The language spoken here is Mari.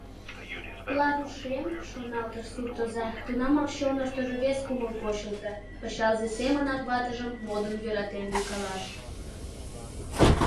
«Ларушем!» — шоналтыш суртоза, тунамак чоныштыжо вес кумыл почылто: пычалзе семынак ватыжым модын йӧратен лӱйкалаш.